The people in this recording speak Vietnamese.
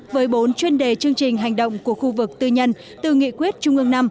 với bốn chuyên đề chương trình hành động của khu vực tư nhân từ nghị quyết trung ương năm